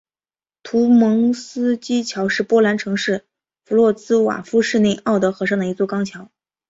图蒙斯基桥是波兰城市弗罗茨瓦夫市内奥德河上的一座钢桥。